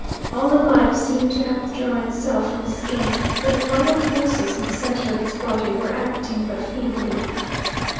All the life seemed to have withdrawn itself from the skin; for the vital forces, in the centre of its body, were acting but feebly.